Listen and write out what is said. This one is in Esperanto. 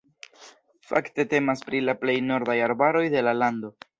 Fakte temas pri la plej nordaj arbaroj de la lando.